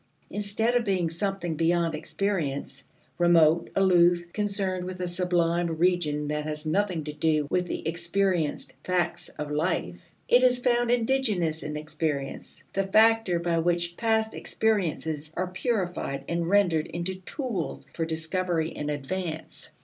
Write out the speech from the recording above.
Instead of being something beyond experience, remote, aloof, concerned with a sublime region that has nothing to do with the experienced facts of life, it is found indigenous in experience: the factor by which past experiences are purified and rendered into tools for discovery and advance.